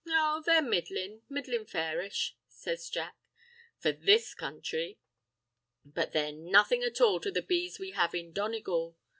"Oh, they're middlin'—middlin' fairish," says Jack—"for this counthry. But they're nothin' at all to the bees we have in Donegal.